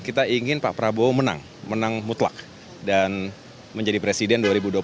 kita ingin pak prabowo menang menang mutlak dan menjadi presiden dua ribu dua puluh